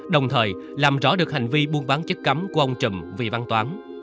đồng thời làm rõ được hành vi buôn bán chất cấm của ông trùm vị văn toán